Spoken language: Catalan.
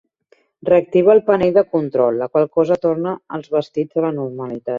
Reactiva el panell de control, la qual cosa torna els vestits a la normalitat.